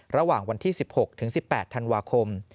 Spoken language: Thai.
ระหว่างวันที่๑๖ถึง๑๘ธันวาคม